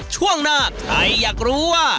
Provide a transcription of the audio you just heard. ช่วงหน้าใครอยากรู้ว่า